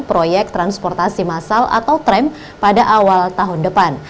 proyek transportasi masal atau tram pada awal tahun depan